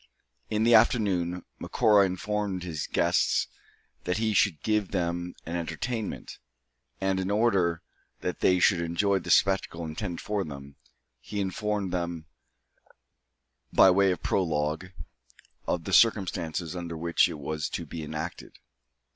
In the afternoon, Macora informed his guests that he should give them an entertainment; and, in order that they should enjoy the spectacle intended for them, he informed them, by way of prologue, of the circumstances under which it was to be enacted.